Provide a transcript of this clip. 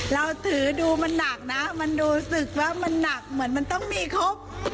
เราถือดูมันหนักนะมันรู้สึกว่ามันหนักเหมือนมันต้องมีครบ